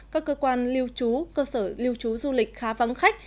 các cơ quan lưu trú cơ sở lưu trú du lịch khá vắng khách